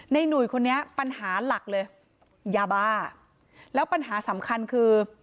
หนุ่ยคนนี้ปัญหาหลักเลยยาบ้าแล้วปัญหาสำคัญคือ